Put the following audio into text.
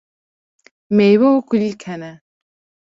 meywe û kulîlk hene.